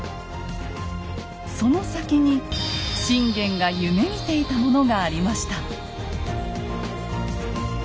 その先に信玄が夢みていたものがありました。